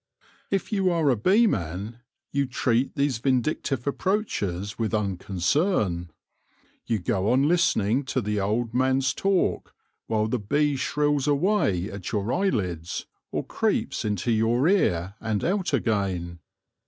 If you are a beeman, you treat these vindictive approaches with unconcern. You go on listening to the old man's talk, while the bee shrills away at your eyelids, or creeps into your ear and out again.